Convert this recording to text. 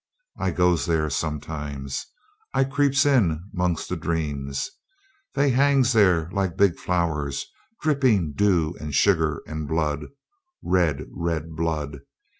"I goes there sometimes. I creeps in 'mongst the dreams; they hangs there like big flowers, dripping dew and sugar and blood red, red blood.